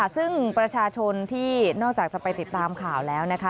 ซึ่งประชาชนที่นอกจากจะไปติดตามข่าวแล้วนะคะ